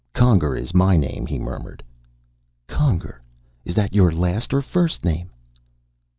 "Conger is my name," he murmured. "Conger? Is that your last or first name?"